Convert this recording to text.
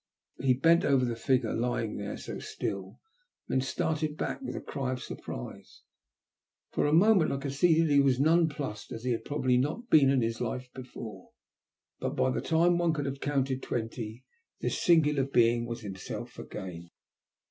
He bent over the figure lying there so still, and then started back with a cry of surprise. For a moment I could see that he was non plmsal as he ' had probably not been in his life before, but by the time one could have counted twenty, this singular being was himself again.